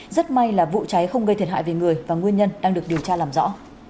rất may là vụ cháy không gây thiệt hại về người và nguyên nhân đang được điều tra làm rõ